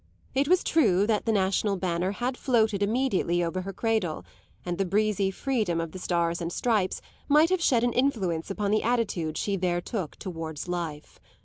It was true that the national banner had floated immediately over her cradle, and the breezy freedom of the stars and stripes might have shed an influence upon the attitude she there took towards life.